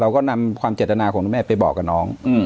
เราก็นำความเจตนาของคุณแม่ไปบอกกับน้อง